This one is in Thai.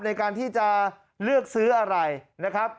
ในการที่จะเลือกซื้ออะไรนะครับ